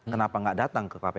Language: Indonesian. kenapa nggak datang ke kpk